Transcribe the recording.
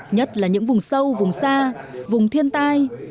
nhất là những vùng sâu vùng xa vùng thiên tai